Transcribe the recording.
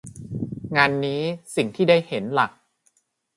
งานนี้สิ่งที่ได้เห็นหลัก